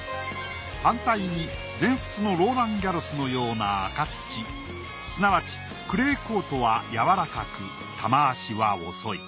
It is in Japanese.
反対に全仏のローラン・ギャロスのような赤土すなわちクレーコートはやわらかく球足は遅い。